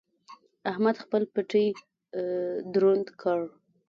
احمد خپل پېټی دروند کړ.